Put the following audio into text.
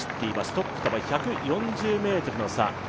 トップとは１４０ｍの差。